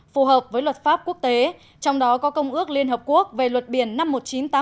phù hợp với luật pháp quốc tế trong đó có công ước liên hợp quốc về luật biển năm một nghìn chín trăm tám mươi hai